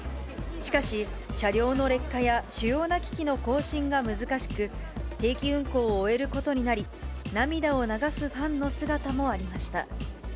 しかし、車両の劣化や主要な機器の更新が難しく、定期運行を終えることになり、涙を流すファンの姿もありました。